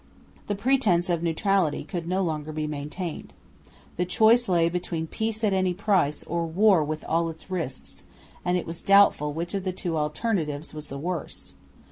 The pretence of neutrality could no longer be maintained. The choice lay between peace at any price or war with all its risks; and it was doubtful which of the two alternatives was the worse.